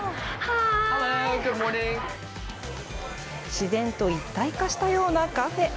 自然と一体化したようなカフェ。